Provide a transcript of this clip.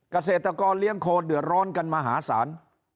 เกษตรกรเลี้ยงโคเดือดร้อนกันมหาศาล